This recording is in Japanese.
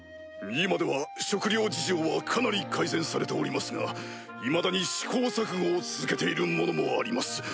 今では食糧事情はかなり改善されておりますがいまだに試行錯誤を続けているものもあります。